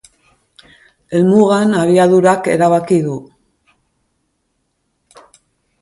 Helmugan, abiadurak erabaki du.